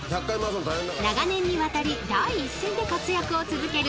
［長年にわたり第一線で活躍を続ける］